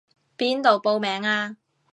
邊度報名啊？